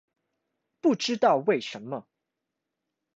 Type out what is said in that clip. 不知道為什麼